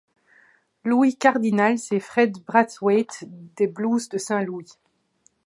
Louis Cardinals et Fred Brathwaite des Blues de Saint-Louis.